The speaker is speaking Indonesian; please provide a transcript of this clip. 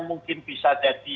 mungkin bisa jadi